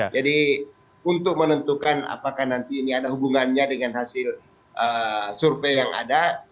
jadi untuk menentukan apakah nanti ini ada hubungannya dengan hasil survei yang ada